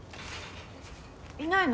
いないの？